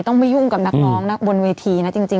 ต้องไม่ยุ่งกับนักร้องนะบนเวทีนะจริง